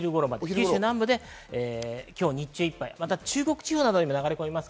九州南部では今日日中いっぱい、また中国地方などにも流れ込みます。